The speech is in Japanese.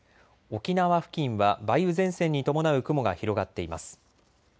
沖縄付近は梅雨前線に伴う雲が広がっています。